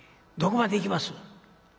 どこまで行きます？」。